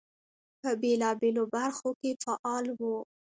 په بېلابېلو برخو کې فعال وو.